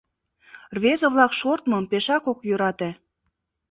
Рвезе-влак шортмым пешак ок йӧрате.